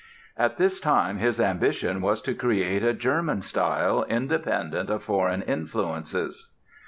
At this time his ambition was to create a German style, independent of foreign influences.